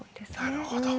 なるほど。